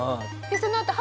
そのあと。